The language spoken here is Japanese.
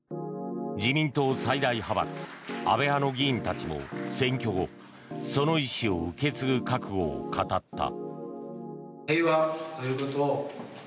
自民党最大派閥、安倍派の議員たちも選挙後その遺志を受け継ぐ覚悟を語った。